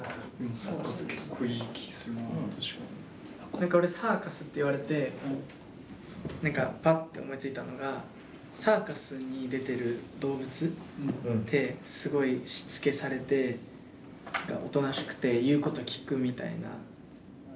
何か俺サーカスって言われて何かパッて思いついたのがサーカスに出てる動物ってすごいしつけされて何かおとなしくて言うこと聞くみたいな。